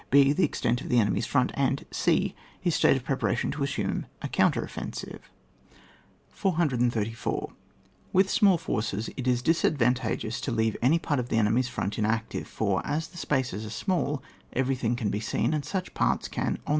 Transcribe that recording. h. The extent of the enemy's front, and e. His state of preparation to assume a counter offensive. 434. With small forces it is disadvan tageous to leave any part of the enemy's front inactive ; for, as the spaces are small, everything can be seen, and such 162 ON WAR, 465.